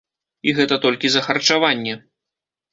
І гэта толькі за харчаванне.